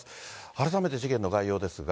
改めて事件の概要ですが。